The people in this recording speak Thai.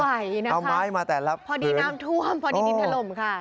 ไม่ไหวนะคะพอดีน้ำท่วมพอดีดินถล่มค่ะ